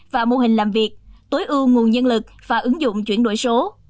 và mô hình làm việc tối ưu nguồn nhân lực và ứng dụng chuyển đổi số